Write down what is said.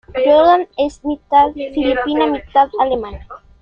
Jordan es mitad filipina, mitad alemana.